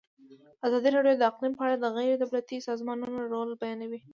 ازادي راډیو د اقلیم په اړه د غیر دولتي سازمانونو رول بیان کړی.